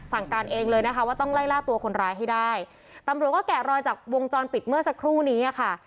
การเองเลยนะคะว่าต้องไล่ล่าตัวคนร้ายให้ได้ตำรวจก็แกะรอยจากวงจรปิดเมื่อสักครู่นี้อ่ะค่ะ